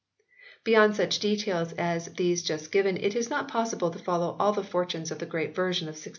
Beyond such details as these just given it is not possible to follow all the fortunes of the Great Version of 1611.